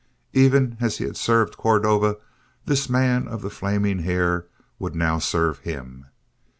Even as he had served Cordova this man of the flaming hair would now serve him.